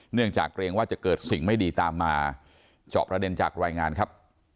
เนื่องจากเกรงว่าจะเกิดสิ่งไม่ดีตามมาเจาะประเด็นจากรายงานครับ